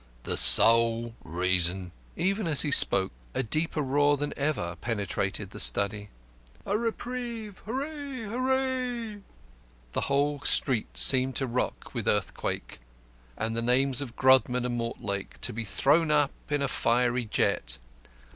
"The sole reason." Even as he spoke, a deeper roar than ever penetrated the study. "A Reprieve! Hooray! Hooray!" The whole street seemed to rock with earthquake and the names of Grodman and Mortlake to be thrown up in a fiery jet.